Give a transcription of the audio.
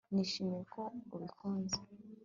nishimiye ko ubikunze